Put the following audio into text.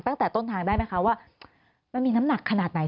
ตั้งแต่ต้นทางได้ไหมคะว่ามันมีน้ำหนักขนาดไหน